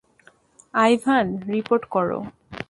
Ivan, report করো।